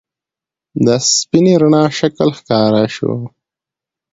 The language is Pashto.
د سپینې رڼا شکل ښکاره شو.